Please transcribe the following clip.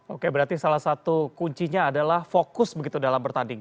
oke berarti salah satu kuncinya adalah fokus begitu dalam bertanding